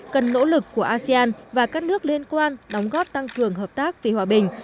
cần nỗ lực của asean và các nước liên quan đóng góp tăng cường hợp tác vì hòa bình